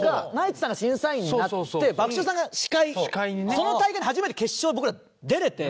その大会で初めて決勝に僕ら出れて。